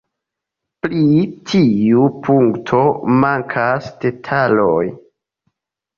Pri tiu punkto mankas detaloj.